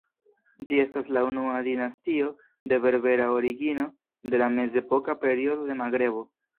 Ĝi estas la unua dinastio de Berbera origino de la mezepoka periodo de Magrebo.